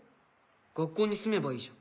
学校に住めばいいじゃん。